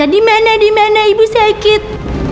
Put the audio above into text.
dimana dimana ibu sakit